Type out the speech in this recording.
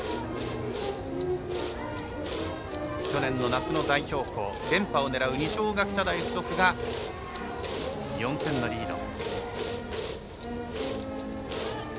去年の夏の代表校連覇を狙う二松学舎大付属が４点のリード。